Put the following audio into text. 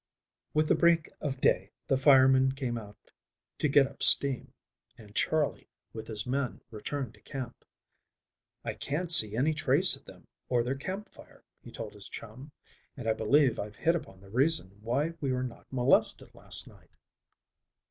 With the break of day the fireman came out to get up steam, and Charley with his men returned to camp. "I can't see any trace of them or their campfire," he told his chum, "and I believe I've hit upon the reason why we were not molested last night."